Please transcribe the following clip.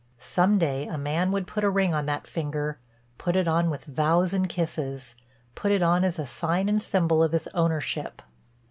Some day a man would put a ring on that finger, put it on with vows and kisses, put it on as a sign and symbol of his ownership.